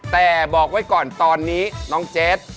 แต่บอกไว้ก่อนตอนนี้น้องเจด